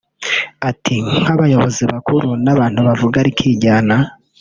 Ati “Nk’abayobozi bakuru n’abantu bavuga rikijyana